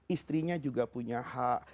istrinya juga punya hak